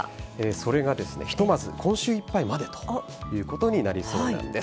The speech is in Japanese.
それがですね、ひとまず今週いっぱいまでということになりそうなんです。